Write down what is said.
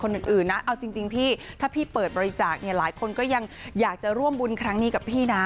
อื่นนะเอาจริงพี่ถ้าพี่เปิดบริจาคเนี่ยหลายคนก็ยังอยากจะร่วมบุญครั้งนี้กับพี่นะ